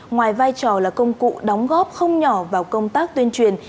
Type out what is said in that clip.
ngoài vai trò là công cụ đóng góp không nhỏ vào công tác tuyên truyền